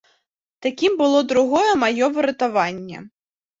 Такім было другое маё выратаванне.